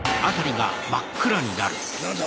何だ？